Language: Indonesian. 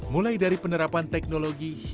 mulai dari penerapan teknologi hingga investasi